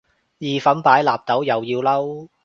意粉擺納豆又要嬲